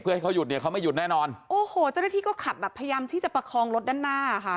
เพื่อให้เขาหยุดเนี่ยเขาไม่หยุดแน่นอนโอ้โหเจ้าหน้าที่ก็ขับแบบพยายามที่จะประคองรถด้านหน้าค่ะ